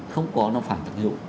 không có nó phản thực hữu